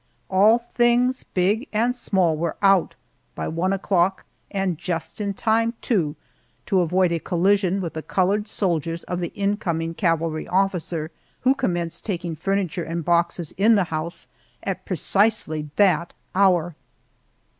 All things, big and small, were out by one o'clock, and just in time, too, to avoid a collision with the colored soldiers of the incoming cavalry officer, who commenced taking furniture and boxes in the house at precisely that hour.